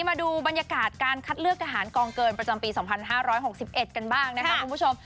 มาดูบรรยากาศการคัดเลือกทหารกองเกินประจำปี๒๕๖๑กันบ้างนะคะคุณผู้ชม